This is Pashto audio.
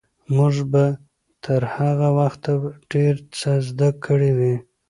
موږ به تر هغه وخته ډېر څه زده کړي وي.